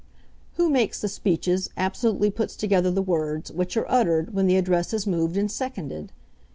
Who makes the speeches, absolutely puts together the words, which are uttered when the Address is moved and seconded?